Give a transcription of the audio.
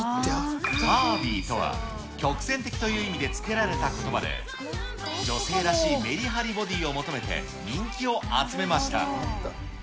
カーヴィーとは、曲線的という意味で付けられたことばで、女性らしいメリハリボディーを求めて、人気を集めました。